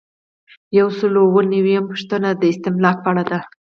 یو سل او اووه نوي یمه پوښتنه د استملاک په اړه ده.